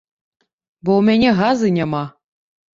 Бо ў мяне газы няма.